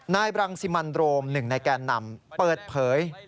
นายบรังสิมันโดรม๑ในแก่นำเปิดเผย